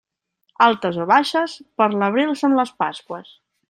Altes o baixes, per l'abril són les Pasqües.